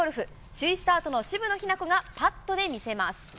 首位スタートの渋野日向子がパットで見せます。